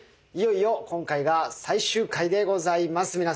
いよいよ今回が最終回でございます。